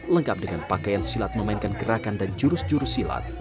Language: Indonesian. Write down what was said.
lengkap dengan pakaian silat memainkan gerakan dan jurus jurus silat